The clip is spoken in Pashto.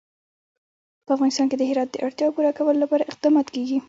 په افغانستان کې د هرات د اړتیاوو پوره کولو لپاره اقدامات کېږي.